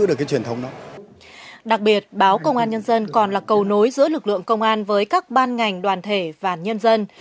đặc biệt báo công an nhân dân còn là cầu nối giữa lực lượng công an với các ban ngành đoàn thể và nhân dân